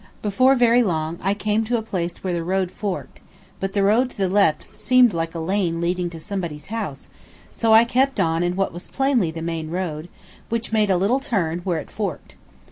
Before very long I came to a place where the road forked, but the road to the left seemed like a lane leading to somebody's house, so I kept on in what was plainly the main road, which made a little turn where it forked.